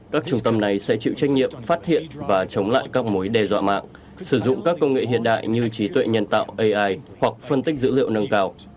các trung tâm này sẽ chịu trách nhiệm phát hiện và chống lại các mối đe dọa mạng sử dụng các công nghệ hiện đại như trí tuệ nhân tạo ai hoặc phân tích dữ liệu nâng cao